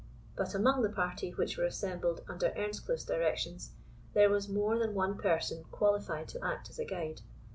But among the party which were assembled under Earnscliff's directions, there was more than one person qualified to act as a guide.